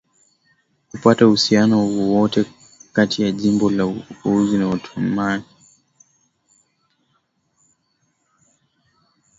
kupata uhusiano wowote kati ya jimbo la Oghuz na Ottoman